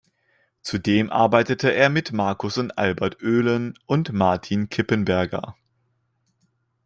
Zudem arbeitete er mit Markus und Albert Oehlen und Martin Kippenberger.